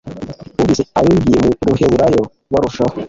bumvise ababwiye mu ruheburayo barushaho